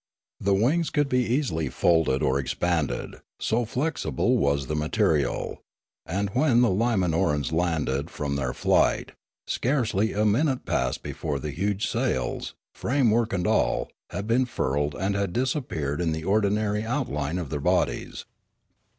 The wings could be easily folded or expanded, so flexible was the material; and, when the Limanorans landed from their flight, scarcely a minute elapsed before the huge sails, framework and all, had been furled and had disappeared in the ordinary outline of their bodies.